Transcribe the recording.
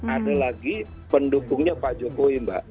ada lagi pendukungnya pak jokowi mbak